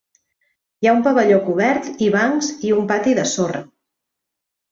Hi ha un pavelló cobert i bancs i un pati de sorra.